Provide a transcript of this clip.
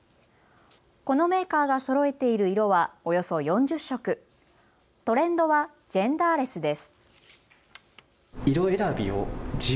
このメーカーがそろえている色はおよそ４０色、トレンドはジェンダーレスです。